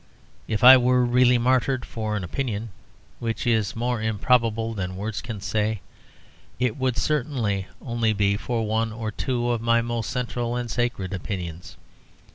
If I were really martyred for an opinion (which is more improbable than words can say), it would certainly only be for one or two of my most central and sacred opinions.